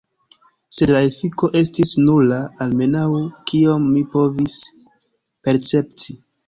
Sed la efiko estis nula, almenau kiom mi povis percepti.